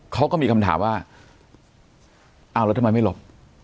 เขาก็มีคำถามว่าอ้าวแล้วทำไมไม่หลบ